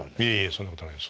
そんなことないです。